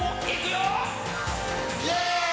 「イエーイ！！」